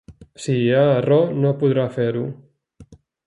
Si hi ha error, no podrà fer-ho.